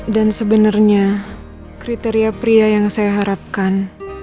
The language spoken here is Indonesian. dan sebenarnya kriteria pria yang saya harapkan